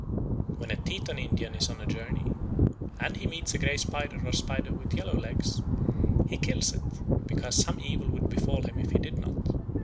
When a Teton Indian is on a journey, and he meets a grey spider or a spider with yellow legs, he kills it, because some evil would befall him if he did not.